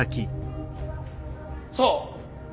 そう。